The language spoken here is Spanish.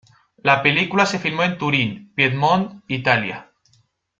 La película se filmó en Turin, Piedmont, Italia.